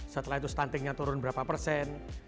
setelah itu stuntingnya turun berapa persen